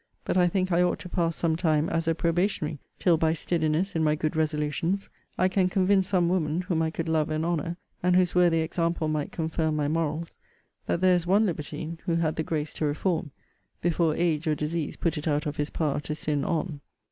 But I think I ought to pass some time as a probationary, till, by steadiness in my good resolutions, I can convince some woman, whom I could love and honour, and whose worthy example might confirm my morals, that there is one libertine who had the grace to reform, before age or disease put it out of his power to sin on.